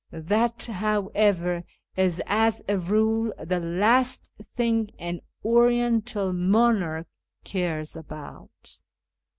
That, however, is as a rule the last thing an Oriental monarch cares about.